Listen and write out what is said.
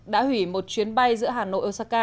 đã hủy một chuyến bay giữa hà nội osaka